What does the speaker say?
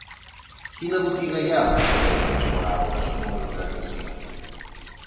Quina botiga hi ha al carrer dels Morabos número trenta-cinc?